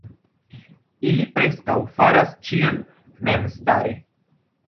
Ili preskaŭ faras ĉion memstare.